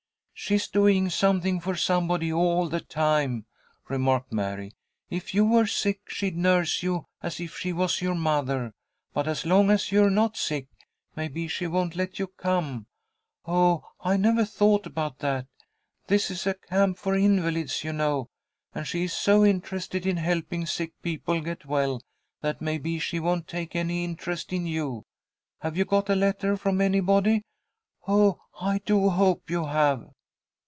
"She's doing something for somebody all the time," remarked Mary. "If you were sick she'd nurse you as if she was your mother, but as long as you're not sick, maybe she won't let you come. Oh, I never thought about that. This is a camp for invalids, you know, and she is so interested in helping sick people get well, that maybe she won't take any interest in you. Have you got a letter from anybody? Oh, I do hope you have!"